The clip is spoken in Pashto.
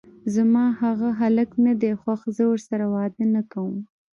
زما هغه هلک ندی خوښ، زه ورسره واده نکوم!